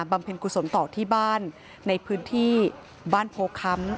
เพ็ญกุศลต่อที่บ้านในพื้นที่บ้านโพค้ำ